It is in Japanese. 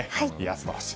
素晴らしい。